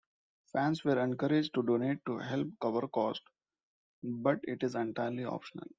Fans were encouraged to donate to help cover costs but it is entirely optional.